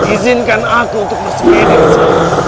izinkan aku untuk bersedia